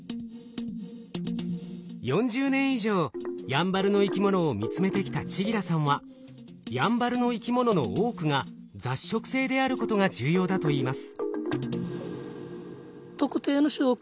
４０年以上やんばるの生き物を見つめてきた千木良さんはやんばるの生き物の多くが雑食性であることが重要だといいます。